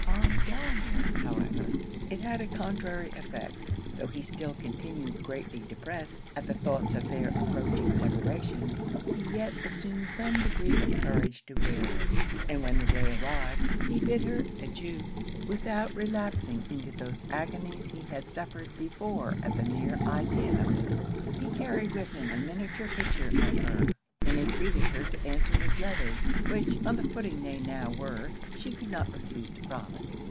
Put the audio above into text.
On Delamere, however, it had a contrary effect. Tho' he still continued greatly depressed at the thoughts of their approaching separation, he yet assumed some degree of courage to bear it: and when the day arrived, he bid her adieu without relapsing into those agonies he had suffered before at the mere idea of it. He carried with him a miniature picture of her, and entreated her to answer his letters; which, on the footing they now were, she could not refuse to promise.